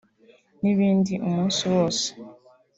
n’ibindi umunsi wose